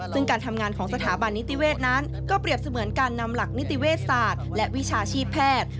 ซึ่งการทำงานของสถาบันนิติเวศนั้นก็เปรียบเสมือนการนำหลักนิติเวชศาสตร์และวิชาชีพแพทย์